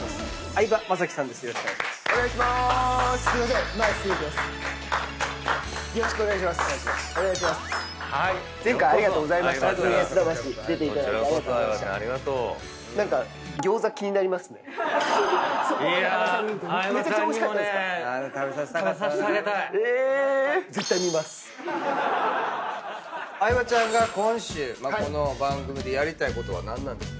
相葉ちゃんが今週この番組でやりたいことは何なんですか？